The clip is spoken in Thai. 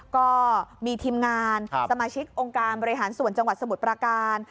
ก็มีทีมงานสมาชิกองค์การบริหารส่วนจังหวัดสมุทรประการ